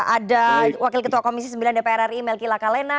ada wakil ketua komisi sembilan dpr ri melki lakalena